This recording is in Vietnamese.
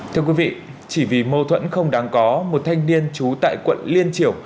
thưa quý vị chỉ vì mâu thuẫn không đáng có một thanh niên trú tại quận liên triểu